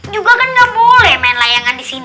juga kan nggak boleh main layangan disini